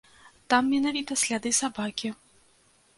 Там менавіта сляды сабакі.